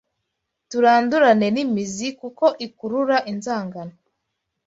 Turandurane n’imizi kuko ikurura inzangano